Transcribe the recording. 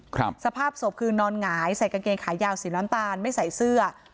สภาพศพคือนอนหงายใส่กางเกงขายาวสีน้ำตาลไม่ใส่เสื้อ